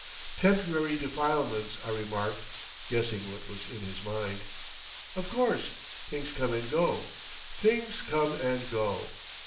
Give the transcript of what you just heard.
"Temporary defilements," I remarked, guessing what was in his mind. "Of course. Things come and go. Things come and go.